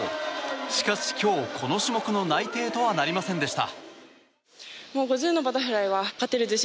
しかし、今日この種目の内定とはなりませんでした。